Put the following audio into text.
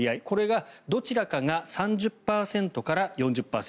これがどちらかが３０％から４０％。